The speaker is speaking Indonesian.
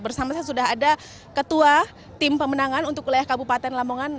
bersama saya sudah ada ketua tim pemenangan untuk wilayah kabupaten lamongan